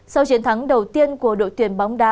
sau chiến thắng đầu tiên của đội tuyển bóng đá